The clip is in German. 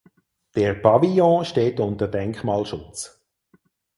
Der Pavillon steht unter Denkmalschutz.